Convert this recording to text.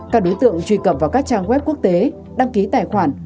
các đối tượng truy cập vào các trang web quốc tế đăng ký tài khoản